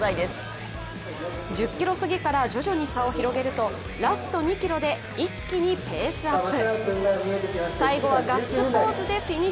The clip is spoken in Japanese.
１０ｋｍすぎから徐々に差を広げると、ラスト２ｋｍで一気にペースアップ。